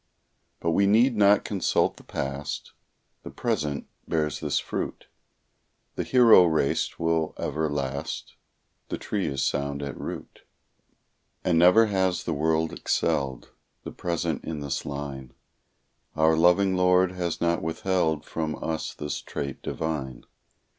But we need not consult the past; The present bears this fruit: The hero race will ever last; The tree is sound at root. And never has the world excelled The present in this line; Our loving Lord has not withheld From us this trait divine.